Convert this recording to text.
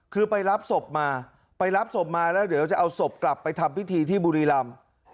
คือไปรับศพมาไปรับศพมาแล้วเดี๋ยวจะเอาศพกลับไปทำพิธีที่บุรีรำ